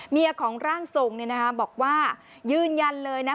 ของร่างทรงบอกว่ายืนยันเลยนะ